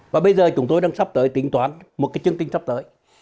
và bây giờ chúng tôi đang sắp tới tính toán một cái chương trình sắp tới